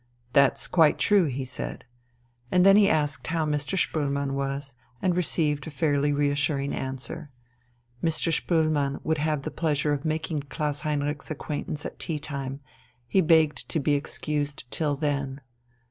"That's quite true," he said. And then he asked how Mr. Spoelmann was, and received a fairly reassuring answer. Mr. Spoelmann would have the pleasure of making Klaus Heinrich's acquaintance at tea time, he begged to be excused till then....